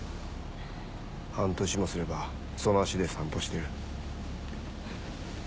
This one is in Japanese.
半年もすればその足で散歩してる。